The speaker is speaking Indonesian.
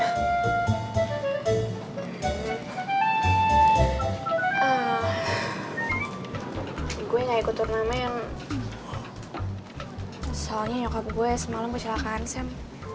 em gue gak ikut turamen soalnya nyokap gue semalam kecelakaan sam